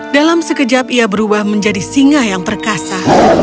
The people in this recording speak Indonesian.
dalam sekejap ia berubah menjadi singa yang perkasa